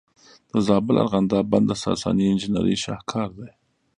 د زابل ارغنداب بند د ساساني انجینرۍ شاهکار دی